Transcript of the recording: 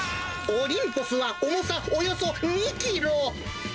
オリンポスは重さおよそ２キロ。